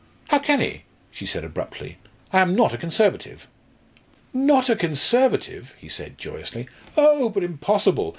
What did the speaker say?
"How can he?" she said abruptly. "I am not a Conservative." "Not a Conservative?" he said joyously. "Oh! but impossible!